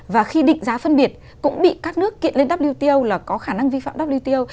và khi định giá phân biệt cũng bị các nước kiện lên wto là có khả năng vi phạm wto